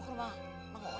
jangan lari lo